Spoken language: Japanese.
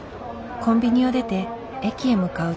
コンビニを出て駅へ向かう女性。